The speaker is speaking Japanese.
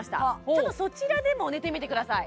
ちょっとそちらでも寝てみてください